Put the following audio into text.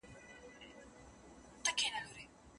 یو له تمي ویړه خوله وي درته خاندي